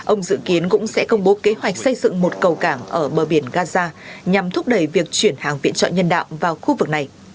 ông dự kiến cũng sẽ công bố kế hoạch xây dựng một cầu cảng ở bờ biển gaza nhằm thúc đẩy việc chuyển hàng viện trợ nhân đạo vào khu vực này